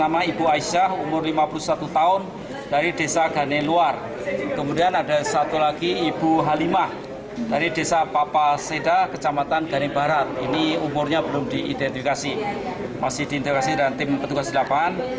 masih diinteraksi dengan tim petugas sedapan